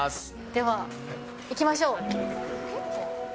ではいきましょう。